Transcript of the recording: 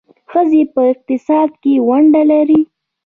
ښځې په اقتصاد کې ونډه لري.